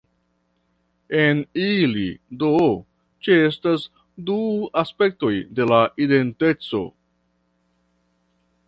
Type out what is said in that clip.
En ili, do, ĉeestas du aspektoj de la identeco.